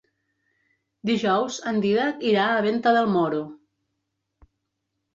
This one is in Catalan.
Dijous en Dídac irà a Venta del Moro.